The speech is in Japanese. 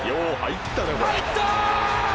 入った！